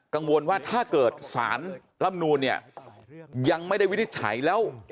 กังวลว่าถ้าเกิดสารร่ำนูนเนี่ยยังไม่ได้วินิจฉัยแล้ว